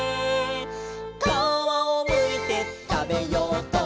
「かわをむいてたべようと」